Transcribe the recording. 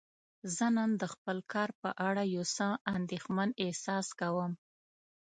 زه نن د خپل کار په اړه یو څه اندیښمن احساس کوم.